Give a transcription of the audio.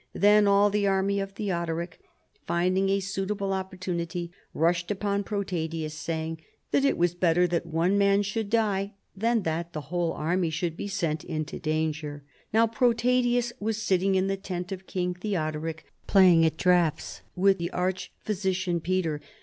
Then all the army of Theo doric, finding a suitable opportunity, rushed upon Protadius, saying that it was better that one man should die than that the whole arniy should be sent into danger. Now Protadius was sitting in the tent of King Tlieodoric playing at draughts with the arch physician Peter.